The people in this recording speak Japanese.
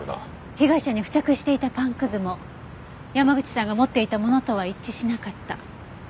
被害者に付着していたパンくずも山口さんが持っていたものとは一致しなかった。